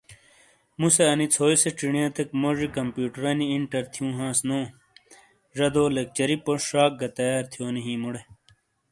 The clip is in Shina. مُوسے انی ژھوئی سے چینئے تیک موجی کمپیوٹرنی انٹر تھیون ہانس نو۔۔زادو لیکچری پونش شاک گہ تیار تھیونی ہی مُوڑے